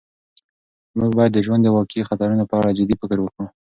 موږ باید د ژوند د واقعي خطرونو په اړه جدي فکر وکړو.